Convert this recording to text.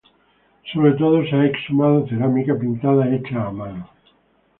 Sobre todo se ha exhumado cerámica pintada hecha a mano.